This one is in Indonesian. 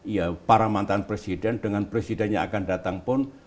ya para mantan presiden dengan presiden yang akan datang pun